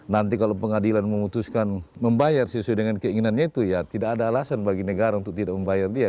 nanti kalau pengadilan memutuskan membayar sesuai dengan keinginannya itu ya tidak ada alasan bagi negara untuk tidak membayar dia